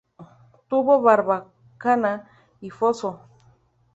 Tuvo barbacana y foso.